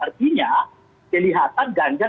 artinya kelihatan ganggar